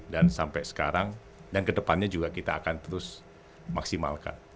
dan sampai sekarang dan kedepannya juga kita akan terus maksimalkan